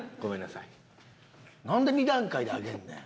なんで２段階で上げんねん。